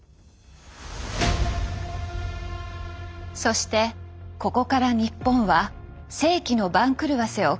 そしてここから日本は世紀の番狂わせを決定づける